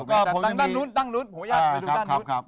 ก็ตั้งด้านนู้นตั้งนู้นผมอยากไปดูด้านนู้น